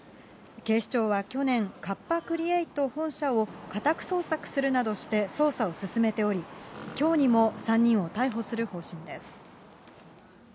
警視庁は去年、カッパ・クリエイト本社を家宅捜索するなどして、捜査を進めており、きょうにも３人を逮捕する方針です。